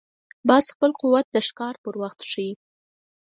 باز خپل قوت د ښکار پر وخت ښيي